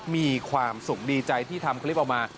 มีความสุขดีใจที่ทำคลิปออกมา